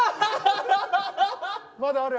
まだある！？